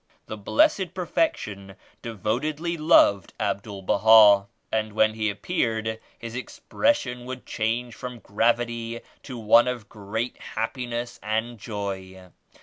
The Blessed Perfection devotely loved Abdul Baha, and when he appeared His expression would change from gravity to one of great happiness and joy.